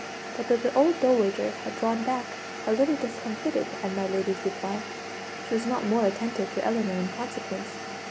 But though the old dowager had drawn back a little discomfited at my lady's reply, she was not more attentive to Ellinor in consequence.